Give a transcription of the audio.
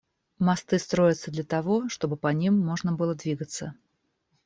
Мосты строятся для того, чтобы по ним можно было двигаться.